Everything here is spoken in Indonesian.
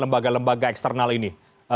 lembaga lembaga eksternal ini